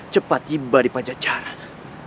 cepat tiba di pajak jarak